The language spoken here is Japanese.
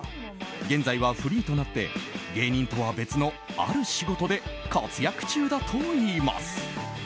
現在はフリーとなって芸人とは別のある仕事で活躍中だといいます。